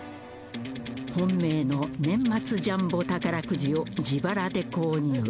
［本命の年末ジャンボ宝くじを自腹で購入］